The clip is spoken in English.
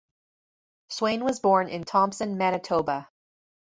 Swain was born in Thompson, Manitoba.